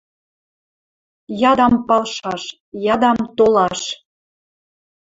Ядам палшаш! Ядам толаш.